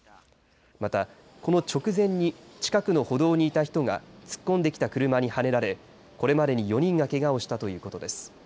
また、この直前に近くの歩道にいた人が突っ込んできた車にはねられこれまでに４人がけがをしたということです。